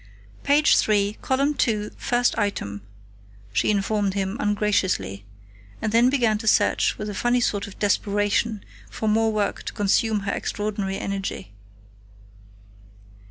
"Page three, column two, first item," she informed him ungraciously, and then began to search with a funny sort of desperation for more work to consume her extraordinary energy.